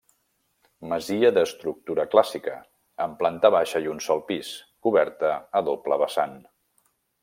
Masia d'estructura clàssica, amb planta baixa i un sol pis, coberta a doble vessant.